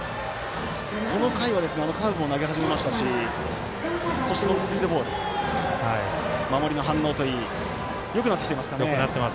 この回はカーブも投げ始めましたしそして、スピードボール守りの反応といいよくなってきていますかね。